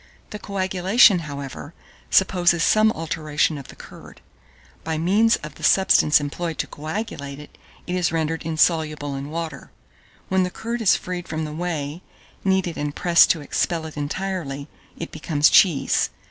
The coagulation, however, supposes some alteration of the curd. By means of the substance employed to coagulate it, it is rendered insoluble in water. When the curd is freed from the whey, kneaded and pressed to expel it entirely, it becomes cheese.